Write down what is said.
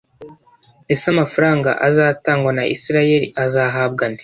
Ese amafaranga azatangwa na Israel azahabwa nde